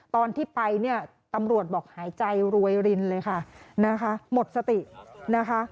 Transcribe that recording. ตอนที่ไปเนี่ยตำรวจบอกหายใจรวยรินเลยค่ะนะคะหมดสตินะคะ